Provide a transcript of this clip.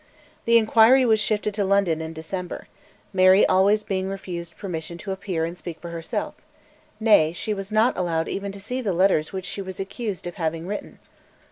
The inquiry was shifted to London in December, Mary always being refused permission to appear and speak for herself; nay, she was not allowed even to see the letters which she was accused of having written.